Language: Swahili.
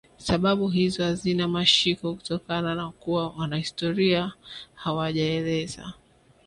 Sababu hizo hazina mashiko kutokana na kuwa wanahistoria hawajaeleza